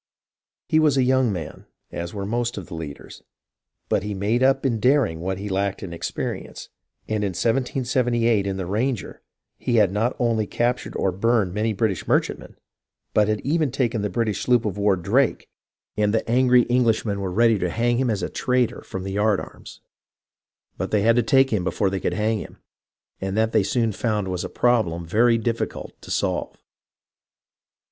He was a young man (as were most of the leaders), but he made up in daring what he lacked in experience, and in 1778 in the Ranger \\Q had not only captured or burned many British merchantmen, but had even taken the Brit ish sloop of war Drake ; and the angry Englishmen were 390 HISTORY OF THE AMERICAN REVOLUTION ready to hang him as a traitor from the yardarms. But they had to take him before they could hang him, and that they soon found was a problem very difficult to solve.